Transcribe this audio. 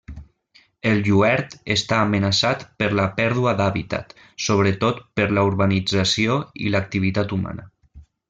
El lluert està amenaçat per la pèrdua d'hàbitat, sobretot per la urbanització i l'activitat humana.